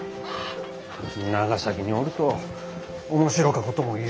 長崎におると面白かこともよう起こるし。